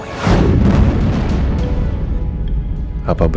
apa bener reina bukan anak roy